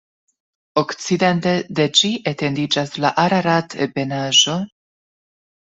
Okcidente de ĝi etendiĝas la Ararat-ebenaĵo.